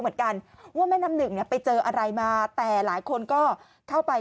เหมือนกันว่าแม่น้ำหนึ่งเนี่ยไปเจออะไรมาแต่หลายคนก็เข้าไป